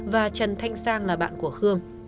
và trần thanh sang là bạn của khương